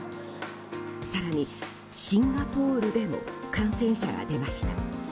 更に、シンガポールでも感染者が出ました。